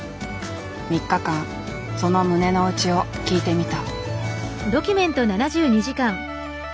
３日間その胸の内を聞いてみた。